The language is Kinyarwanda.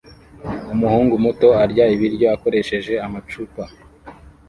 Umuhungu muto arya ibiryo akoresheje amacupa